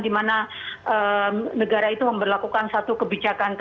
di mana negara itu memperlakukan satu kebijakan